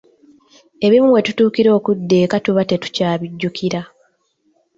Ebimu we tutuukira okudda eka tuba tetukyabijjukira.